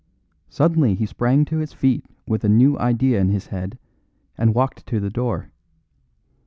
Suddenly he sprang to his feet with a new idea in his head, and walked to the door.